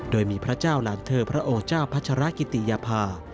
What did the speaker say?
โดยมีพระเจ้าหลานเธอพระโอเจ้าพัชรกิติยภา